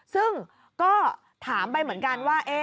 ซึ่งก็ถามไปเหมือนกันว่า